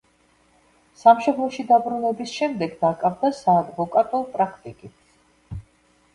სამშობლოში დაბრუნების შემდეგ დაკავდა საადვოკატო პრაქტიკით.